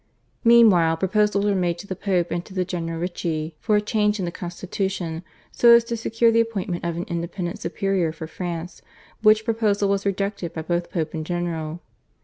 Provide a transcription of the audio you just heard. Meanwhile proposals were made to the Pope and to the general, Ricci, for a change in the constitution, so as to secure the appointment of an independent superior for France, which proposal was rejected by both Pope and general.